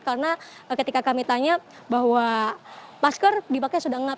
karena ketika kami tanya bahwa masker dipakai sudah ngap